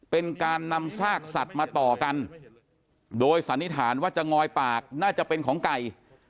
เป็นการนำซากสัตว์มาต่อกันโดยสันนิษฐานว่าจะงอยปากน่าจะเป็นของไก่